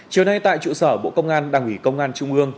chiều nay tại trụ sở bộ công an đảng ủy công an trung ương